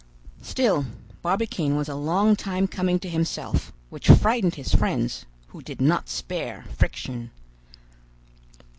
Still, Barbicane was a long time coming to himself, which frightened his friends, who did not spare friction.